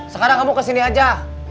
sekarang kamu kesini aja